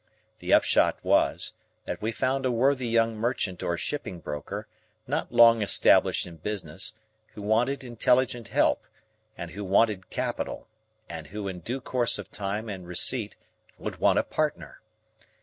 The upshot was, that we found a worthy young merchant or shipping broker, not long established in business, who wanted intelligent help, and who wanted capital, and who in due course of time and receipt would want a partner.